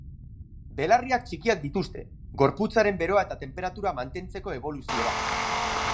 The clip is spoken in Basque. Belarriak txikiak dituzte, gorputzaren beroa eta tenperatura mantentzeko eboluzio bat.